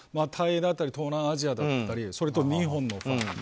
台湾だったり東南アジアだったりそれと日本とか。